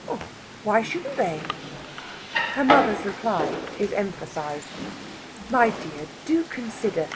"Why shouldn't they?" Her mother's reply is emphasized. "My dear, do consider!